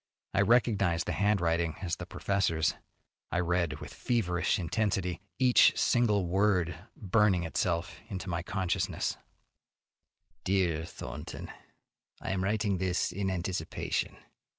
I recognized the handwriting as the professor's. I read with feverish intensity, each single word burning itself into my consciousness: Dear Thornton: I am writing this in anticipation.